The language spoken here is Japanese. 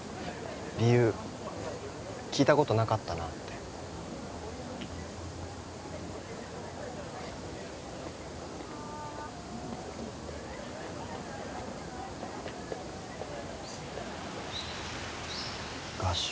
理由聞いたことなかったなって画集？